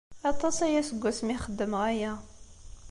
Aṭas aya seg wasmi i xeddmeɣ aya.